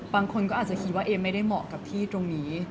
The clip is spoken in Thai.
บางคนก็อาจจะคิดว่าเอมไม่ได้เหมาะกับที่ตรงนี้